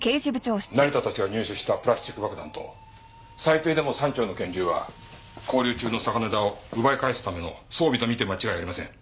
成田たちが入手したプラスチック爆弾と最低でも３丁の拳銃は勾留中の嵯峨根田を奪い返すための装備と見て間違いありません。